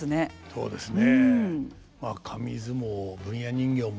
そうですね。